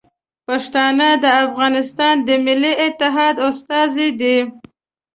پښتانه د افغانستان د ملي اتحاد استازي دي.